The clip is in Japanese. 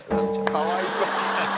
かわいそう。